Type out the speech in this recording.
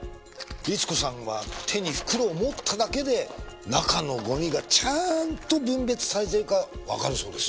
律子さんは手に袋を持っただけで中のゴミがちゃんと分別されているかわかるそうです。